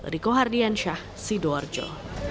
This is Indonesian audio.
riko hardian syah sidoarjo